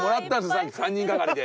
さっき３人がかりで。